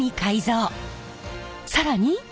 更に！